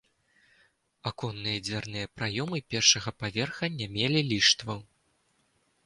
Аконныя і дзвярныя праёмы першага паверха не мелі ліштваў.